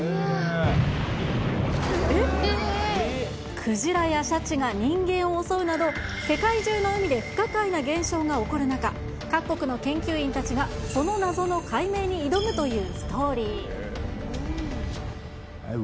クジラやシャチが人間を襲うなど、世界中の海で不可解な現象が起こる中、各国の研究員たちがその謎の解明に挑むというストーリー。